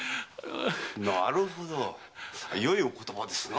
なるほどよいお言葉ですな。